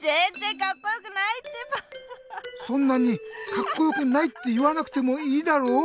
そんなに「カッコよくない」っていわなくてもいいだろ。